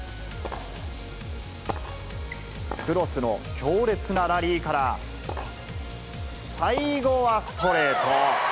クロスの強烈なラリーから、最後はストレート。